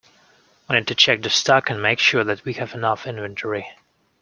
We need to check the stock, and make sure that we have enough inventory